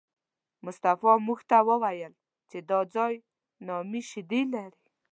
مصطفی موږ ته وویل چې دا ځای نامي شیدې لري.